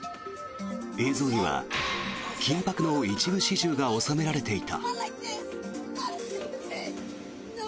映像には緊迫の一部始終が収められていた。